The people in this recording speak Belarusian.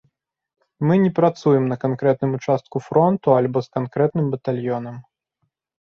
Мы не працуем на канкрэтным участку фронту альбо з канкрэтным батальёнам.